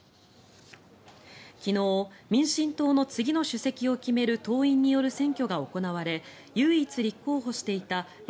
昨日、民進党の次の主席を決める党員による選挙が行われ唯一立候補していた頼